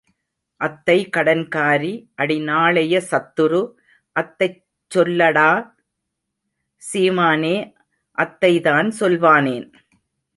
அத்தை கடன்காரி அடி நாளைய சத்துரு, அத்தைச் சொல்லடா சீமானே, அத்தைத்தான் சொல்வானேன்?